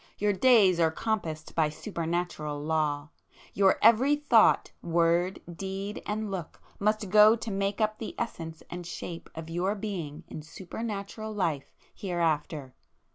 —your days are compassed by Super natural law!—your every thought, word, deed and look must go to make up the essence and shape of your being in Super natural life hereafter!